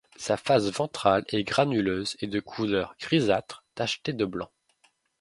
Sa face ventrale est granuleuse et de couleur grisâtre tacheté de blanc.